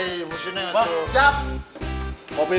ya aduh aduh